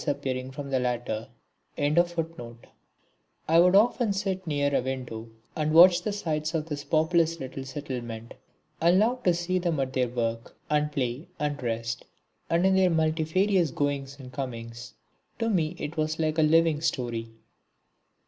Adjoining it on the south was a large Busti. I would often sit near a window and watch the sights of this populous little settlement. I loved to see them at their work and play and rest, and in their multifarious goings and comings. To me it was all like a living story.